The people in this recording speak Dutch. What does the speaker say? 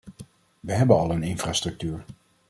We hebben al een infrastructuur.